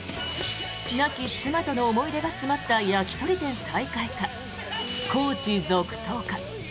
亡き妻との思い出が詰まった焼き鳥店再開か、コーチ続投か。